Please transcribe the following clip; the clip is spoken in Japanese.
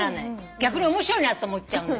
逆に面白いなと思っちゃう。